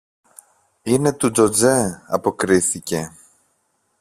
Είναι του Τζοτζέ, αποκρίθηκε.